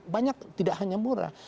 banyak tidak hanya murah